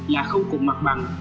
là không cùng mặt bằng